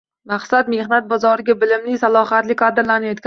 Maqsad, mehnat bozoriga bilimli, salohiyatli kadrlarni yetkazishdir